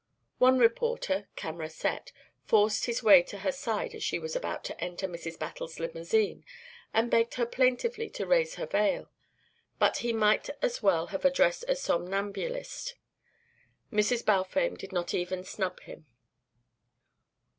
One reporter, camera set, forced his way to her side as she was about to enter Mrs. Battle's limousine and begged her plaintively to raise her veil; but he might as well as have addressed a somnambulist; Mrs. Balfame did not even snub him.